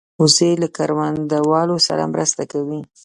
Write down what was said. وزې له کروندهوالو سره مرسته کوي